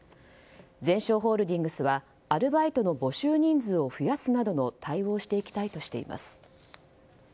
ゼンショーホールディングスはアルバイトの募集人数を増やすなどの対応をしていきたいとしています。